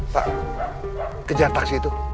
pak kejar taksi itu